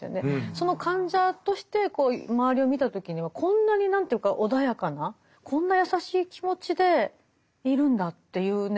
その患者として周りを見た時にはこんなに何ていうか穏やかなこんな優しい気持ちでいるんだっていうね